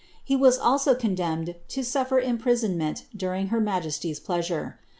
He was also eon ifler imprisonment during her majesty's pleasure.